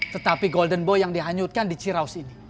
tetapi golden boy yang dihanyutkan di ciraus ini